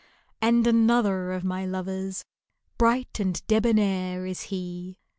And another of my lovers. Bright and debonair is he.